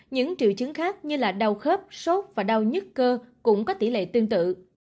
những triệu chứng khác như là đau khớp sốt và đau nhứt cơ cũng có tỷ lệ tương tự